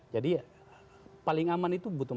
jadi paling aman itu butuh empat puluh empat